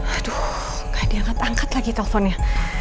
aduh gak diangkat angkat lagi teleponnya